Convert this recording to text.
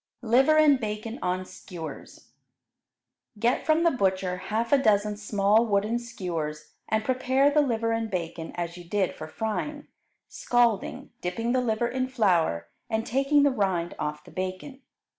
Liver and Bacon on Skewers Get from the butcher half a dozen small wooden skewers, and prepare the liver and bacon as you did for frying, scalding, dipping the liver in flour, and taking the rind off the bacon.